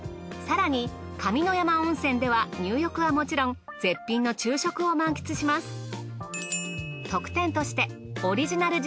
更にかみのやま温泉では入浴はもちろん絶品の昼食を満喫します。